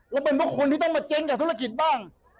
แล้วเป็นเพราะคนที่ต้องมาเจ๊งกับธุรกิจบ้าง